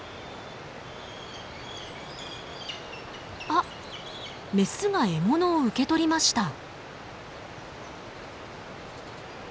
あっメスが獲物を受け取りました。